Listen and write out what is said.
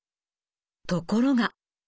ところが。